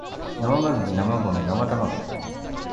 なまむぎなまごめなまたまご